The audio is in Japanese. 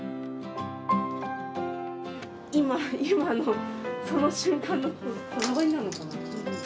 今のその瞬間のこだわりなのかな。